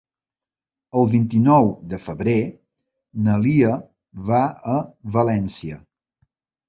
El vint-i-nou de febrer na Lia va a València.